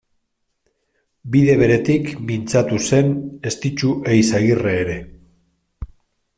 Bide beretik mintzatu zen Estitxu Eizagirre ere.